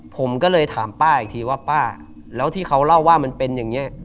ผมก็เลยถามป้าอีกทีว่าป้าแล้วที่เขาเล่าว่ามันเป็นอย่างนี้